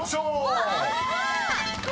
うわ！